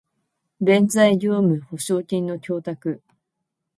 弁済業務保証金の供託